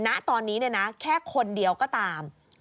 ณตอนนี้แค่คนเดียวก็ตาม